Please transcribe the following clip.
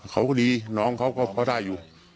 เขาก็ดีน้องเขาด้ายโย